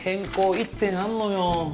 １点あんのよ